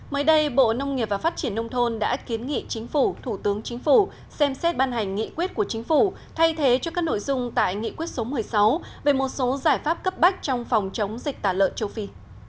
mới đây bộ nông nghiệp và phát triển nông thôn đã kiến nghị chính phủ thủ tướng chính phủ xem xét ban hành nghị quyết của chính phủ thay thế cho các nội dung tại nghị quyết số một mươi sáu về một số giải pháp cấp bách trong phòng chống dịch tả lợn châu phi